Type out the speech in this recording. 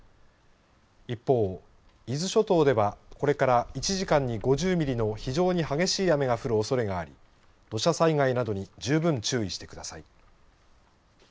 一方、伊豆諸島ではこれから１時間に５０ミリの非常に激しい雨が降るおそれがあり土砂災害などに十分注意してください。